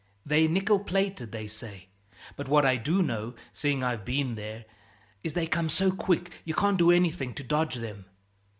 They're nickel plated, they say, but what I do know, seeing I've been there, is they come so quick you can't do anything to dodge them.